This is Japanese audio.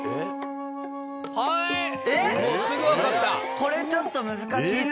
これちょっと難しいと。